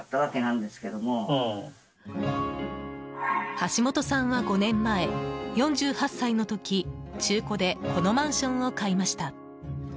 橋本さんは５年前、４８歳の時中古でこのマンションを買いました。